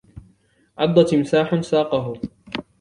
عضّ تمساحٌ ساقه.